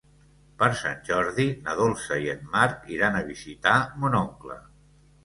Per Sant Jordi na Dolça i en Marc iran a visitar mon oncle.